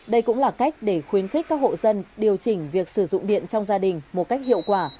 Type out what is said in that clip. đây cũng là cách để khuyến khích các hộ dân điều chỉnh việc sử dụng điện trong gia đình một cách hiệu quả